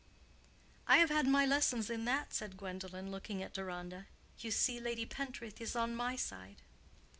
"I have had my lessons in that," said Gwendolen, looking at Deronda. "You see Lady Pentreath is on my side."